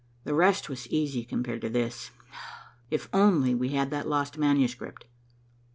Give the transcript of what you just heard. The rest was easy compared to this. If we only had that lost manuscript."